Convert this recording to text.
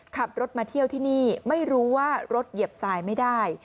ขับรถมาเที่ยวที่นี่ไม่รู้ว่ารถเหยียบทรายไม่ได้